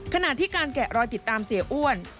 ขณะที่การแกะรอยติดตามเสียอ้วน